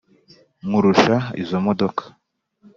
Nkurusha izi modoka,